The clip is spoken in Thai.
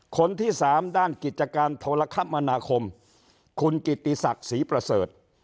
คนที่สามด้านกิจการโทรคมนาคมคุณกิติศักดิ์ศรีประเสริฐ